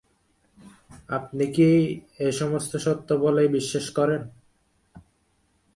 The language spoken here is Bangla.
আপনি কি এ-সমস্ত সত্য বলেই বিশ্বাস করেন?